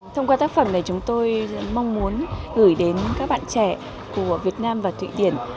thông qua tác phẩm này chúng tôi mong muốn gửi đến các bạn trẻ của việt nam và thụy điển